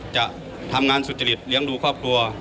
จะทำงานสุจริตเลี้ยงดูครอบครัว